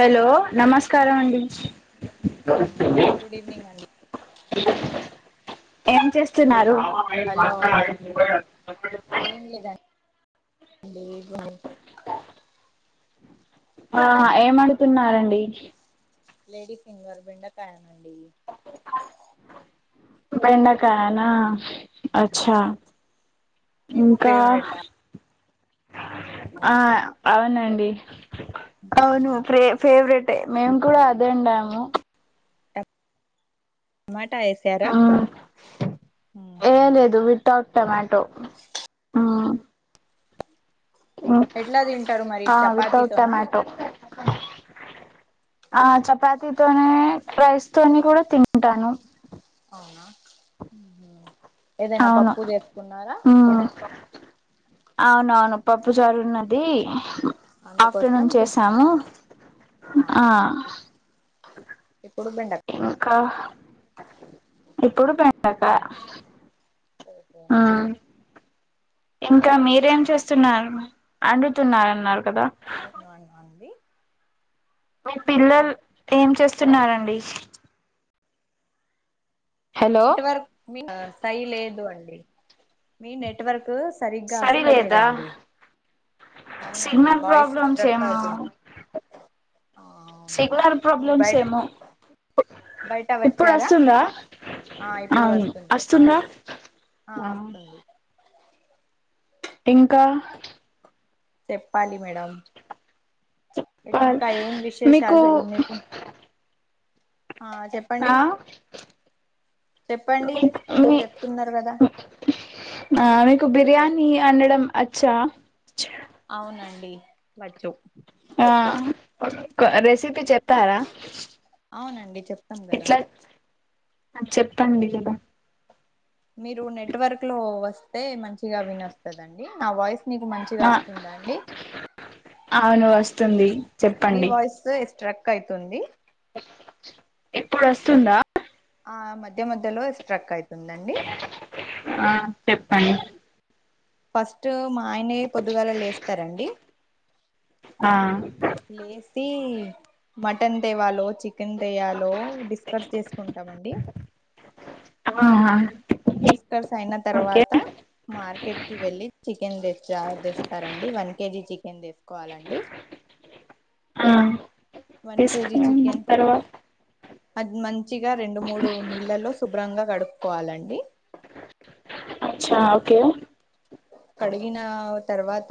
Hello నమస్కారం అండి good evening అండి ఏం చేస్తున్నారు హలో అ లేే ఆ ఏమడుతున్నారండి లేడీ ఫింగర్ బెండకాయ బెండకాయన అచ్చా మీకు ఇంకా ఫేవరెట్ ఆ ఆ అవునండి అవును ఫే ఫేవరెట్ టే మేము కూడా అదే అండాము టమాటా వేసారా టొమాటోఉ ఎట్లా తింటారు మరి వితౌట్ చపాతీతోనా టమాటో ఆ చపాతితోనే రైస్ తోనే కూడా తింటాను అవునా ఏదైనా అవును పప్పు చేసుకున్నారా ఉ అవునవును పప్పు చారున్నది అందుకోసం ఆఫ్టర్నూన్ చేసాము ఆ ఇప్పుడు బిండకాయ కా ఇప్పుడు బెండకాయ ఓహో ఆ ఇంకా మీరేం చేస్తున్నారు అండుతున్నారన్నారు కదా అవునును అంది మీ పిల్లలు ఏం చేస్తున్నండి నెట్వర్క్ సై లేదు అండి మీ నెట్వర్క్ సరిగ్గా సరి లేదా వస్తలేదండి అవునండి సిగ్నల్ వాయిస్ ప్రాబ్లమ్స్ స్ట్రక్ ఏమో అవుతుంది ఆ అవునండి సిగ్నల్ మీరు ప్రాబ్లమ్ బయ ఏమో బయట ఇప్పుడు వచ్చారా వస్తుందా ఆ ఇప్పుడు అవును వస్తుంది వస్తుంద ఆ వస్తుంది ఇంకా. చెప్పాలి. మేడం ఇంకా ఏం మీకు విశేషాలు మీకు. ఆహ్ చెప్పండి. ఆ చెప్పండి ఏమో మీ చెప్తున్నారు కదా. ఆ మీకు బిర్యానీ అనడం అచ్చా. అవునండి వచ్చు. ఆహ్ రెసిపీ. కు చెప్తారా అవునండి చెప్తాం కదా ఎట్లా చెప్పండి కదా. మీరు నెట్వర్క్ లో వస్తే మంచిగా వినస్తాదండి నా వాయిస్. నీకు ఆ మంచిగవస్తుందా అండి అవును వస్తుంది. మీ చెప్పండి వాయిసే స్ట్రక్ అయితుంది. ఇప్పుడు వస్తుందా. ఆహ్ మధ్య మధ్యలో స్ట్రక్ అయితుందండి ఆహ్ చెప్పండి. ఫస్ట్ మా ఆయనే పొద్దుగాల లేస్తారండి. ఆహ్. లేేసి మటన్ తేవాలో చికెన్ తేయలో. డిస్కర్స్ చేసుకుంటామండి. ఆహ్. డిస్కర్స్ అయిన తర్వాత. మార్కెట్ కి వెళ్ళి చికెన్ తెచ్ తెస్తారండి వన్ కేజీ చికెన్ తీసుకోవాలండి. ఆహ్ వన్ కేజీ తీసుకున్న చికెన్ తరువాత. మంచిగా రెండు మూడు నీళ్ళలో శుభ్రంగా కడుకోవాలండి. ఆహ్ చాకు. కడిగిన తర్వాత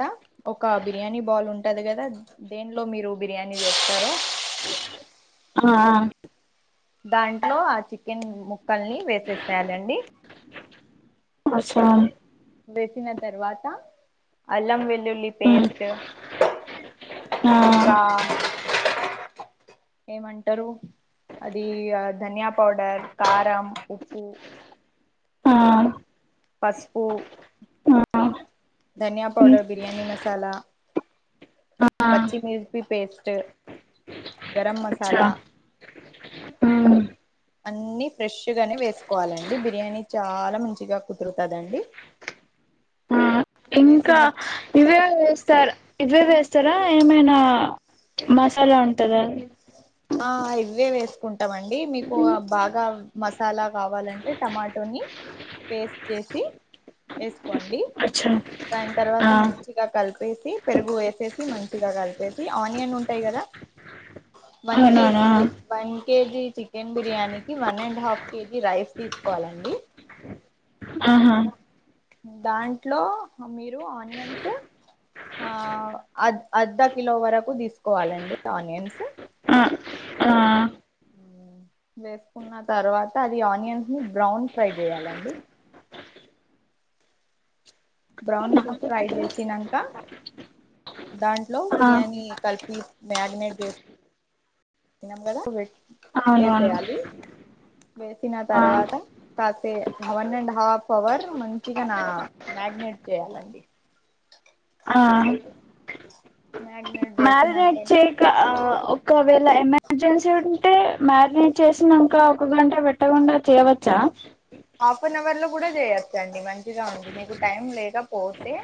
ఒక బిర్యానీ బాల్ ఉంటది కదా దేనిలో మీరు. బిర్యానీ చేస్తారో. ఆహ్. దాంట్లో ఆ చికెన్ ముక్కల్ని వేసేసేయాలండి. కోంచం. వేసిన తర్వాత అల్లం వెల్లుల్లి ఉమ్ పేస్ట్. ఆ ఇంకా. ఏమంటారు. అది ఆహ్ ధనియా పౌడర్ కారం ఉప్పు. ఆ ఆ పసుపు ధనియా ఉమ్ పౌడర్ బిర్యానీ మసాలా. ఆ పచ్చిమిర్చి పేస్ట్ గరం అచ్చా మసాలా. ఉమ్ అన్ని ఫ్రెష్గానే వేసుకోవాలండి బిర్యానీ చాలా మంచిగా కుదురుతుందండి. ఆహ్. ఇంకా ఇవే వస్. సార్ ఇవే వేస్తారా ఏమైనా మసాలా ఉంటందా. ఆహ్ ఇవే వేసుకుంటామండి మీకు బాగా మసాలా కావాలంటే టమాటో. పేస్ట్ చేసి ఎస్. డి అచ్చా దాని తర్వాత ఆ మంచిగా కలు వేసి పెరుగు వేసేసి మంచిగ కలిపేసి ఆనియన్ ఉంటాయి కదా వన్ అవునవునా కేజికి బన్ కేజీ చికెన్ బిర్యానీకి one and half KG rice తీసుకోవాలండి ఆహా ద దాంట్లో మీరు ఆనియన్స్ ఆ అ అర్ధకిలో వరకు తీసుకోవాలండి ఆనియన్స్ ఆ ఆ వేసుకున్న తర్వాత అది ఆనియన్స్ ని బ్రౌన్ ఫ్రై జేయాలండి బ్రౌన్ ఫ్రై చేసినంక దాంట్లో ఆ బిర్యానీ కలి తీ మ్యాగనైట్ జేస్ ఉన్నాం గదా అవునవును వేసిన ఆ తర్వాత కాసే వన్ అండ్ హఫ్ అవర్ మంచిగ నా మ్యాగ్నె జేయాలండి ఆ మ్యాగనడ్ అలా చేక ఒకవేళ ఎమర్జెన్సీ ఉంటే మ్యాగ్నయిట్ చేసినంకా ఒక గంట పెట్టకుండా చేయవచ్చా హాఫ్ అన్ అవర్లో కూడా జేయొచ్చండి మంచిగా ఉంది మీకు టైం లేక పోతే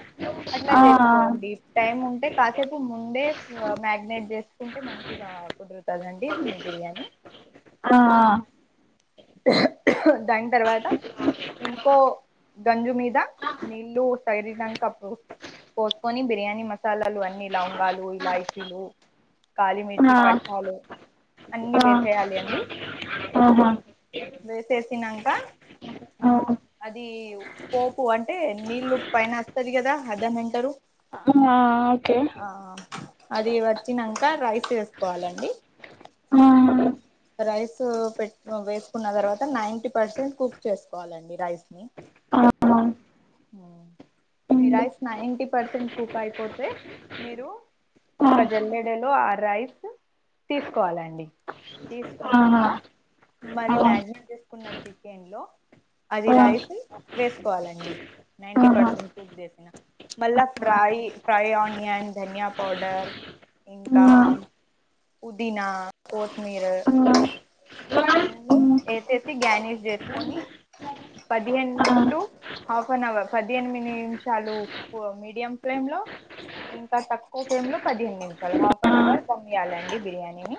అట్లా ఆ చేసుకోండి టైమ్ ఉంటే కా సేపు ముందే మ్యాగినేట్ చేసుకుంటే మంచిగా కుదురు కదండి మీ బిర్యానీ ఆ దాని తర్వాత ఇంకో గంజు మీద నీళ్లు తైరినంక అప్పుడు పోసుకొని బిర్యానీ మసాలాలు అన్ని లవంగాలు ఇలాయిచీలు కాళిమిర్చి ఆ పట్టాలు అన్నీ ఆ వేసేయాలి అండి ఆహా వేసేసినంక ఆ అది పోపు అంటే నీల్లు పైన వస్తది కదా అద అని అంటరు హా ఓకే అది వచ్చినంక రైస్ వేసుకోవాలండి ఆ రైస్ పెట్టు వేసుకున్న తర్వాత నైంటీ పర్సెంట్ కుక్ చేసుకోవాలండి రైస్ ని ఆ ఆ మీ రైస్ నైన్టీ పర్సెంట్ కుక్ అయిపోతే మీరు ఒక జల్లెడలో ఆ రైస్ తీసుకోవాలండి ఆహా తీసుకున్నంక మరి అలా మ్యాగినేట్ చేసుకున్న చికెన్లో అది ఆ ఆహా రైస్ వేసుకోవాలండి నైన్టీ పర్సెంట్ కుక్ చేసిన మళ్ళా ఫ్రై ఫ్రై ఆనియన్ ధనియా పౌడర్ ఇంకా పుదీనా ఆ కోత్మీరు అన్నీ వేసేసి గ్యానేష్ చేసుకొని పదిహె టు హాఫ్ అన్ అవర్ పదిహేను నిమిషాలు మీడియం ఫ్లేమ్లో అ ఇంకా తక్కువ ఫ్లేమ్ లో పదిహేను నిమిషాలు హాఫ్ అన్ అవర్ దమ్ ఇయ్యాలండి బిర్యానీని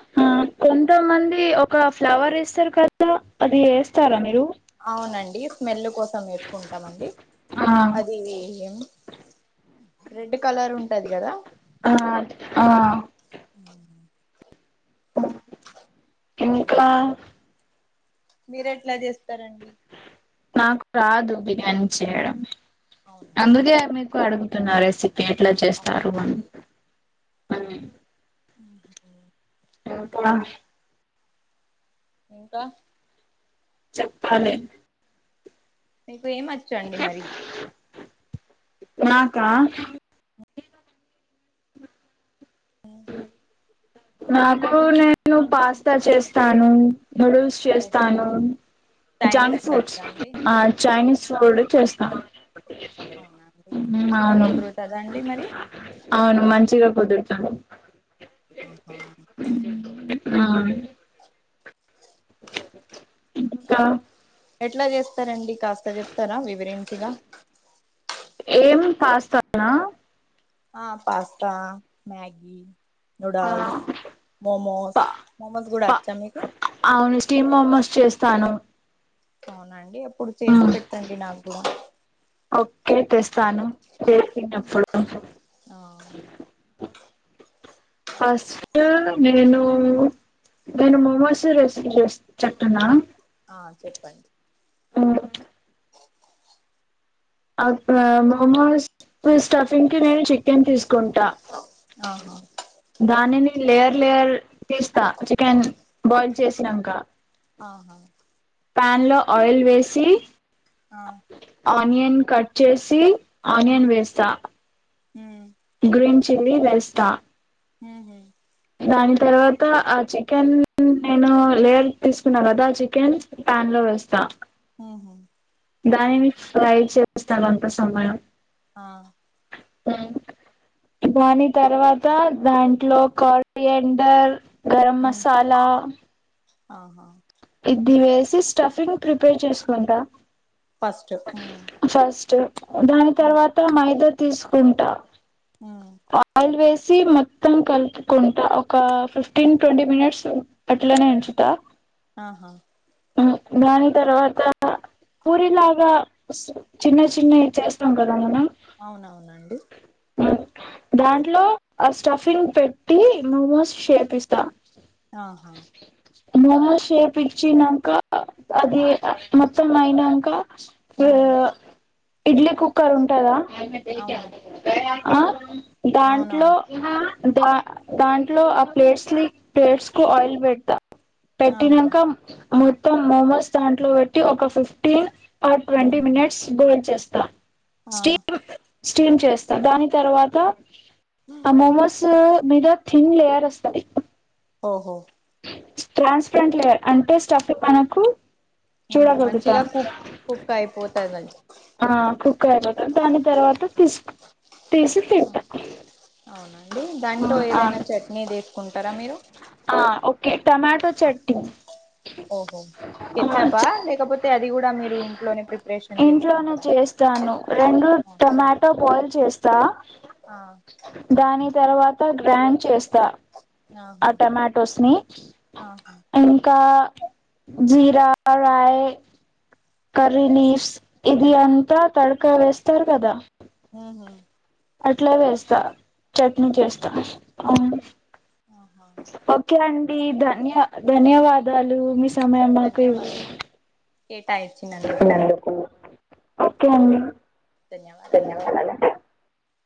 కొంతమంది ఒక ఫ్లవర్ వేస్తారు కదా అది ఏస్తారా మీరు అవునండి స్మెల్ కోసం వేసుకుంటామండి ఆ అది రెడ్ కలర్ ఉంటది కదా ఆ ఆ అ ఎక్కడ మీరు ఎట్లా చేస్తారండి నాకు రాదు బిర్యానీ చేయడం అవునా అందుకే మీకు అడుగుతున్నా రెసిపీ ఎట్లా చేస్తారు అని అవునండి ఉ పొడ ఇంకా చెప్పాలే మీకు ఏమచ్చు అండి మరి నాకా నాకు నేను పాస్తా చేస్తాను నూడుల్స్ ఓహో చేస్తాను చైనీస్ జంక్ ఫుడ్ ఫుడ్స్ వచ్చా అండి చైనీస్ చూడు చేస్తాం అవునండి మంచిగా కుదురుతుందా అండి మరి అవును మంచిగా కుదురుతాను ఆహా ఆ ఇంకా ఎట్లా చేస్తారండి కాస్త చెప్తారా వివారెంటాగా ఏం పాస్తానా ఆ పాస్తా మ్యాగి ఆ నూడల్స్ మోమోస్ ప మోమోస్ కూడా ప వచ్చా మీకు అవును స్టీమ్ మమోస్ చేస్తాను అవునండి అప్పుడు చేసి మ్మ్ పెట్టండి నాకు కూడా కేతేస్తాను చేసినప్పుడు ఆ ఫస్ట్ నేను నేను మొమోస్ రెసిపీ చే చెట్టనా ఆ చెప్పండి ఉ అక్కడ మోమోస్ పే ఇంకా నేను చికెన్ తీసుకుంటా ఆహా ద లేయర్ లేయర్ తీస్తా చికెన్ బాయిల్ చేసినాక ఆహా పాన్లో ఆయిల్ వేసి ఆ ఆనియన్ కట్ చేసి ఆనియన్ ఉమ్ వేస్తా ఉమ్ గ్రీన్ చిల్లి వేస్తా ఉహు దాని తర్వాత ఆ చికెన్ నేను లేయర్ తీసుకున్నా కదా ఆ చికెన్ ప్యాన్ లో వెస్తా ఉహు దాని ని ఫ్రై చేస్తాను అంత సమయం ఆ దాని తర్వాత దాంట్లో కారియండర్ గరం ఉమ్ మసాలా ఆహా ఇది వేసి స్టఫింగ్ ప్రిపేర్ చేసుకుంటా ఫస్ట్ ఫస్ట్ దాని ఉమ్ తర్వాత మైదా తీసుకుంటా ఉమ్ ఆయిల్ వేస్ మొత్తం కలుపుకుంటా ఒక ఫిఫ్టీన్ ట్వంటీ మినిట్స్ అట్లనే ఉంచుతా హ దాని తర్వాత పూరిలాగా చిన్న చిన్నఇ చేస్తాం కద అవునవునండి దాంట్లో ఆ స్టఫింగ్ పెట్టి మమోస్ చేపిస్తా ఆహా మోమోస్ షేపిఇచ్చినంక అది మొత్తం అయినంక ఉహు ఇడ్లీ కుక్కర్ ఉంటదా అవును ఆ దాంట్లో అవునవును ద దాంట్లో ఆ ప్లేట్స్ ని ప్లేట్స్ కు ఆయిల్ పెడతా ఆహా పెట్టినాక మొత్తం మోమోస్ దాంట్లో బట్టి ఒక ఫిఫ్టీన్ ఆర్ ట్వంటీ ఉమ్ మినిట్స్ చేస్తా ఆ స్టీమ్ స్టీమ్ చేస్తా దాని తర్వాత ఆ మోమోస్ మీద థిన్ లేయర్ వస్తది ఓహో ట్రాన్స్పరెంట్ లేర్ అంటే స్టఫింగ్ మనకు చూడకగుతా మంచిగా కుక్ కుక్ అయిపోతది ఆ కుక్ అయిపోతాది దాని తర్వాత తీసుకు తీసి తింటా డి దాంట్లో ఆ ఏదైనా చట్నీ తీస్ ఆ ఓకే టొమాటో చట్నీ ఓహో ఆ కేచాపా లేకపోతే అది కూడా మీరు ఇంట్లోనే ప్రిపరేషన్ చేసుకుంటరా స్తాను రెండు టొమాటో బాయిల్ చేస్ తా ఆ దాని తర్వాత గ్రాండ్ చేస్తా ఆ ఆహా టొమాటోస్ ని ఆహా ఇంకా జీరా రై కర్రీ లీఫ్స్ ఇది అంతా తడక వేస్తారు కదా హా అట్ల వేస్తా చట్ని అవునా చేస్తా ఆ ఆహా ఓకే అండి ధన్య ధన్యవాదాలు మిస్ సమయం మాకి కేటాయిచ్చి నందుకు ఓకే అండి ధన్యవాదాలండి ధన్యవాదాలు